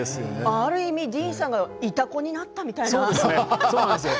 ある意味ディーンさんがいたこになったみたいな。